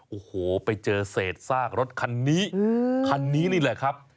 โอ้โหไปเจอเศษซากรถคันนี้คันนี้นี่แหละครับ